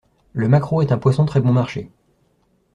Le maquereau est un poisson très bon marché.